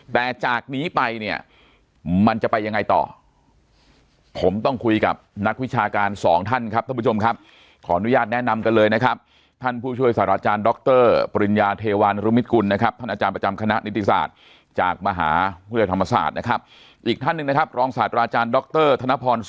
แต่จากนี้ไปเนี่ยมันจะไปยังไงต่อผมต้องคุยกับนักวิชาการสองท่านครับท่านผู้ชมครับขออนุญาตแนะนำกันเลยนะครับท่านผู้ช่วยศาสตราจารย์ดรปริญญาเทวานรุมิตกุลนะครับท่านอาจารย์ประจำคณะนิติศาสตร์จากมหาวิทยาลัยธรรมศาสตร์นะครับอีกท่านหนึ่งนะครับรองศาสตราอาจารย์ดรธนพร